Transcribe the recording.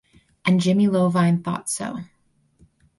And Jimmy Iovine thought so.